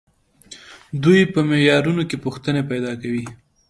دوی په معیارونو کې پوښتنې پیدا کوي.